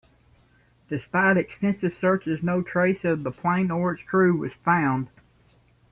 Despite extensive searches no trace of the 'plane or its crew was found.